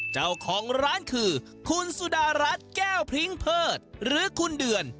เจ้าของร้านคือคุณสุดารัฐแก้วพริ้งเพิศหรือคุณเดือน